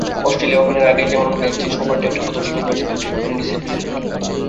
Australia ওপেনের আগেই যেমন বেনচিচ হোবার্টে একটা প্রদর্শনী ম্যাচে খেলেছেন হিঙ্গিসের বিপক্ষে।